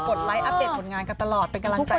กดไลค์อัปเดตกันตลอดเป็นกำลังใจให้